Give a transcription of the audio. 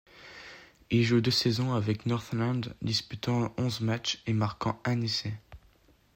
Il joue deux saisons avec Northland, disputant onze matchs et marquant un essai.